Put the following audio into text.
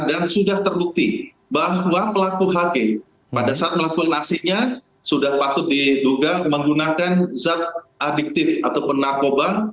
dan sudah terbukti bahwa pelaku hg pada saat melakukan nasihnya sudah patut diduga menggunakan zat adiktif atau penakoba